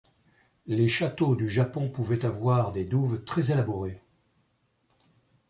Les châteaux du Japon pouvaient avoir des douves très élaborées.